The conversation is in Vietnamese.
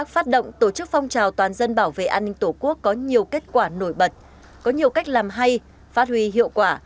phong trào toàn dân bảo vệ an ninh tổ quốc có nhiều kết quả nổi bật có nhiều cách làm hay phát huy hiệu quả